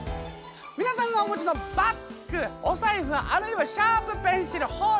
皆さんがお持ちのバッグお財布あるいはシャープペンシル包丁。